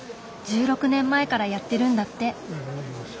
１６年前からやってるんだって。